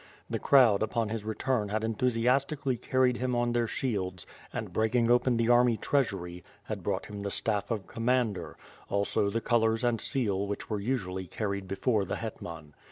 The crowd upon his return had enthu siastically carried him on their shields, and breaking open the army treasury, had brought him the staff of Commander, also the colors and seal which were usually carried before the hetman.